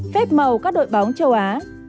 phép màu các đội bóng châu á